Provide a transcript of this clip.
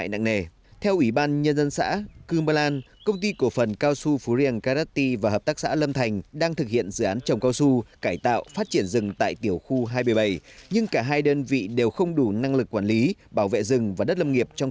các đối tượng lấn chiếm chủ yếu cày sới vào ban đêm nên tại thời điểm kiểm tra ủy ban nhân dân xã không phát hiện đối tượng cũng như phương tiện tại hiện trường